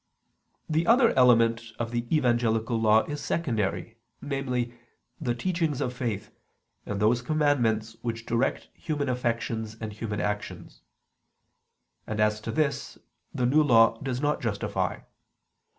The other element of the Evangelical Law is secondary: namely, the teachings of faith, and those commandments which direct human affections and human actions. And as to this, the New Law does not justify.